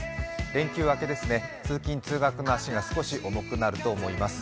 連休明けですね、通勤・通学の足が少し重くなると思います。